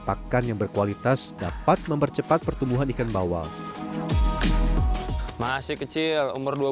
pakan yang berkualitas dapat mempercepat pertumbuhan ikan bawal masih kecil umur